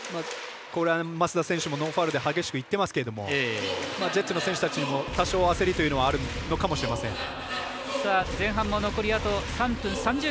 増田選手もノーファウルで激しくいってますけどジェッツの選手たちも多少焦りというのはあるのかもしれません。